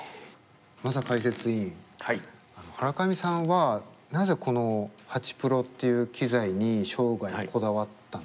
マサかいせついんハラカミさんはなぜこのハチプロっていう機材に生涯こだわったんですかね。